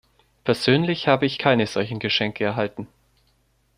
Persönlich habe ich keine solchen Geschenke erhalten.